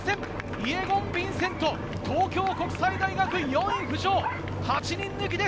イェゴン・ヴィンセント、東京国際大学４位浮上。